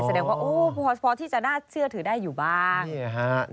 แสดงว่าโอ้พอที่จะน่าเชื่อถือได้อยู่บ้าง